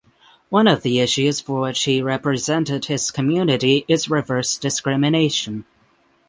One of the issues for which he represented his community is reverse discrimination.